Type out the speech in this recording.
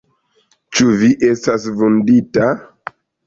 Ĉu Vi estas vundita?